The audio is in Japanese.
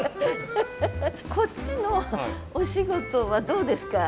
こっちのお仕事はどうですか？